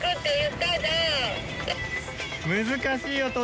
難しいよ